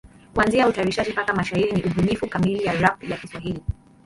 Kuanzia utayarishaji mpaka mashairi ni ubunifu kamili ya rap ya Kiswahili.